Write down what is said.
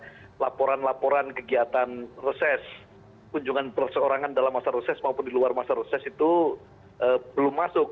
karena laporan laporan kegiatan reses kunjungan perseorangan dalam masa reses maupun di luar masa reses itu belum masuk